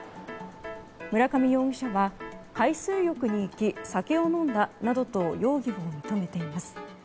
村上容疑者は海水浴に行き酒を飲んだなどと容疑を認めています。